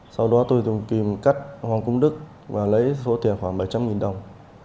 sau đó tôi dùng kìm cắt hoàng cung đức và lấy số tiền khoảng bảy trăm linh đồng